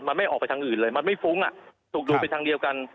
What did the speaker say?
มันไม่ออกไปทางอื่นเลยมันไม่ฟุ้งถูกดูดไปทางเดียวกัน